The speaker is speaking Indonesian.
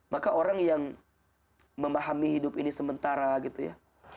maka orang yang memahami hidup ini sementara gitu ya